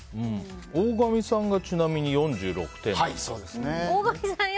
大神さんが、ちなみに４６点。